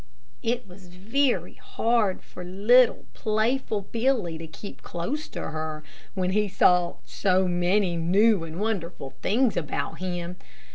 It was very hard for little, playful Billy to keep close to her, when he saw so many new and wonderful things about him.